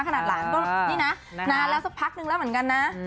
ขนาดหลานก็นี่นะนานแล้วสักพักนึงแล้วเหมือนกันนะ